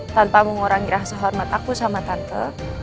tanpa mengurangi rasa hormat aku sama tante